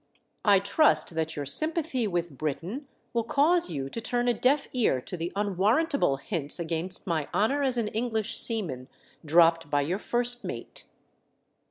I trust that your sympathy with Britain will cause you to turn a deaf ear to the unwarrantable hints against my honour as an English seaman, dropped by your first mate."